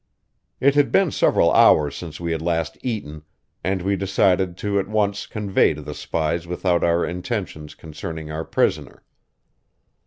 It had been several hours since we had last eaten, and we decided to at once convey to the spies without our intentions concerning our prisoner.